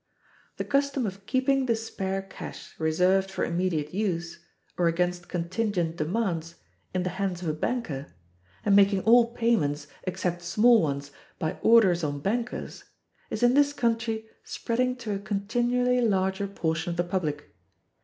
The custom of keeping the spare cash reserved for immediate use, or against contingent demands, in the hands of a banker, and making all payments, except small ones, by orders on bankers, is in this country spreading to a continually larger portion of the public.